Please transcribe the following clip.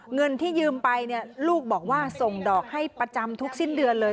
เงินที่ยืมไปเนี่ยลูกบอกว่าส่งดอกให้ประจำทุกสิ้นเดือนเลย